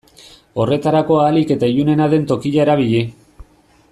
Horretarako ahalik eta ilunena den tokia erabili.